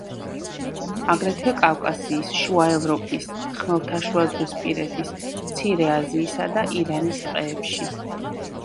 აგრეთვე კავკასიის, შუა ევროპის, ხმელთაშუაზღვისპირეთის, მცირე აზიისა და ირანის ტყეებში.